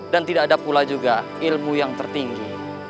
dan tidak ada pula juga ilmu yang tertinggi